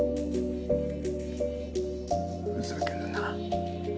ふざけるな。